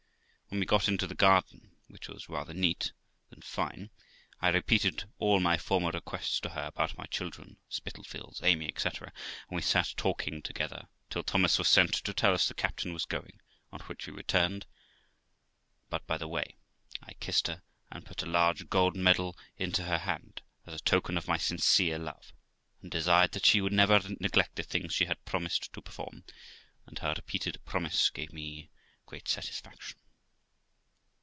When we got into the garden, which was rather neat than fine, I repeated all my former requests to her about my children, Spitalfields, Amy, etc., and we sat talking together, till Thomas was sent to tell us the captain was going, on which we returned; but, by the way, I kissed her and put a large gold medal into her hand, as a token of my sincere love, and desired that she would never neglect the things she had promised to perform, and her repeated promise gave me great satisfaction.